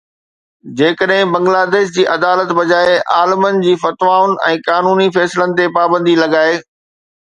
جيڪڏهن بنگلاديش جي عدالت بجاءِ عالمن جي فتوائن ۽ قانوني فيصلن تي پابندي لڳائي